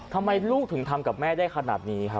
ทำไมลูกถึงทำกับแม่ได้ขนาดนี้ครับ